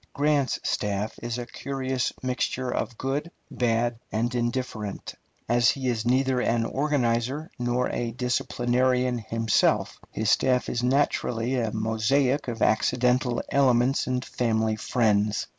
Grant's staff is a curious mixture of good, bad, and indifferent. As he is neither an organizer nor a disciplinarian himself, his staff is naturally a mosaic of accidental elements and family friends.